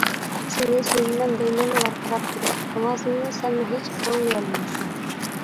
سېنى سۆيىمەن، دەيمەن ۋارقىراپ تۇرۇپ ئاۋازىمنى سەنمۇ ھېچ ئاڭلىيالمايسەن.